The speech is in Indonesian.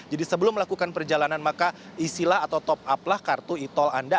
jadi sebelum melakukan perjalanan maka isilah atau top up lah kartu e tol anda